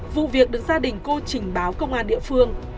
vụ việc được gia đình cô trình báo công an địa phương